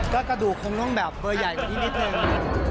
ก็กระดูกคงต้องแบบเบอร์ใหญ่กว่านี้นิดนึง